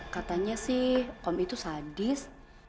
katanya sih om itu sadis